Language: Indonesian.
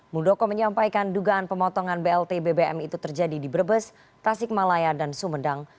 muldoko menyampaikan dugaan pemotongan blt bbm itu terjadi di brebes tasik malaya dan sumedang